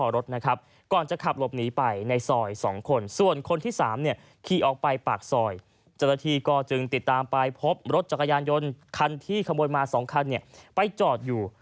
รถจักรยานยนต์คันที่ขโมยมา๒คันไปจอดอยู่